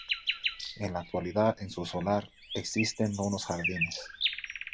En la actualidad, en su solar existen unos jardines.